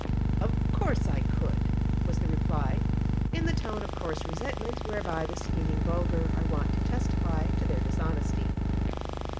'Of course I could,' was the reply, in the tone of coarse resentment whereby the scheming vulgar are wont to testify to their dishonesty.